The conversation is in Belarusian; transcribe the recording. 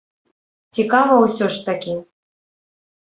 Цікава ўсё ж такі.